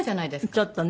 ちょっとね。